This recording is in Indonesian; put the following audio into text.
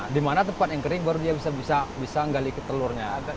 di mana tempat yang kering baru dia bisa menggali ke telurnya